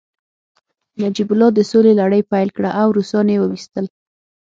نجیب الله د سولې لړۍ پیل کړه او روسان يې وويستل